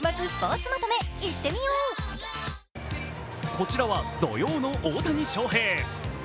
こちらは土曜の大谷翔平。